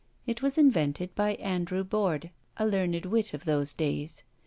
It was invented by Andrew Borde, a learned wit of those days.